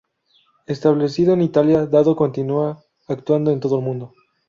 Establecido en Italia, Dado continúa actuando en todo el mundo.